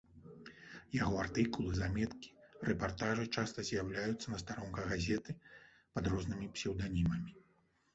Яго артыкулы, заметкі, рэпартажы часта з'яўляліся на старонках газеты пад рознымі псеўданімамі.